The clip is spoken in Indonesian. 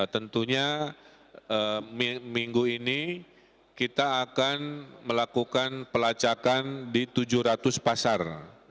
tentunya minggu ini kita akan melakukan pelacakan di tujuh ratus pasar